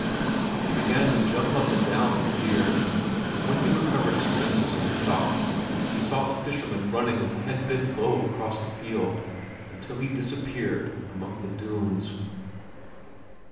He began to jump up and down in fear, and when he recovered his senses and stopped, he saw the fisherman running with head bent low across the meadow, until he disappeared among the dunes.